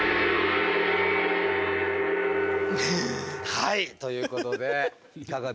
はい！ということでいかがでしたか？